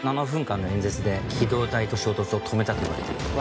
７分間の演説で機動隊と衝突を止めたといわれている。